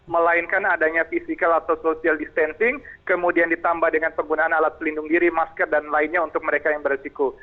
melainkan adanya physical atau social distancing kemudian ditambah dengan penggunaan alat pelindung diri masker dan lainnya untuk mereka yang beresiko